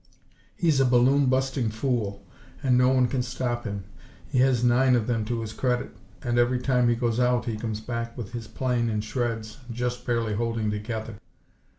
He's a balloon busting fool, and no one can stop him. He has nine of them to his credit and every time he goes out he comes back with his plane in shreds and just barely holding together.